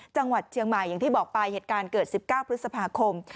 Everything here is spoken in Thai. จังหวัดเชียงใหม่อย่างที่บอกไปเหตุการณ์เกิด๑๙พฤษภาคม